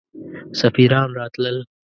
سفیران راتلل.